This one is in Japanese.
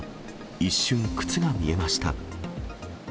一瞬、靴が見えました。